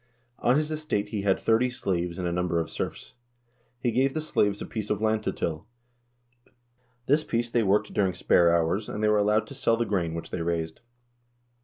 On his estate he had thirty slaves and a number of serfs. He gave the slaves a piece of land to till. This piece they worked during spare hours, and they were allowed to sell the grain which they raised.